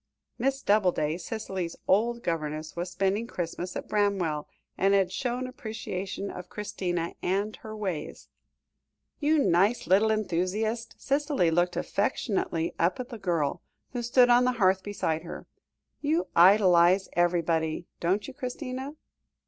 Miss Doubleday, Cicely's old governess, was spending Christmas at Bramwell, and had shown appreciation of Christina and her ways. "You nice little enthusiast!" Cicely looked affectionately up at the girl, who stood on the hearth beside her; "you idealise everybody, don't you, Christina?"